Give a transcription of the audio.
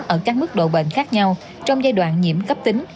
ở các mức độ bệnh khác nhau trong giai đoạn nhiễm cấp tính